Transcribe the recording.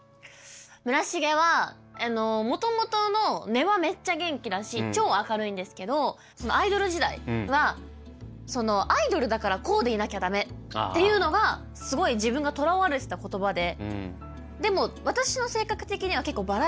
村重はもともとの根はめっちゃ元気だし超明るいんですけどアイドル時代はアイドルだからこうでいなきゃダメっていうのがすごい自分がとらわれてた言葉で。